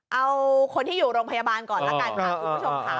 เอาคนที่อยู่โรงพยาบาลก่อนละกันค่ะคุณผู้ชมค่ะ